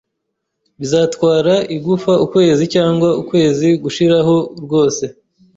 Bizatwara igufa ukwezi cyangwa ukwezi gushiraho rwose.